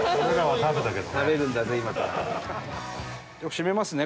閉めますね